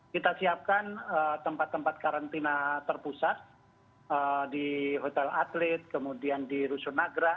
kita siapkan tempat tempat karantina terpusat di hotel atlet kemudian di rusun nagra